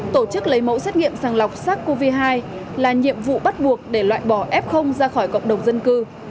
tổ chức lấy mẫu xét nghiệm sàng lọc sars cov hai là nhiệm vụ bắt buộc để loại bỏ f ra khỏi cộng đồng dân cư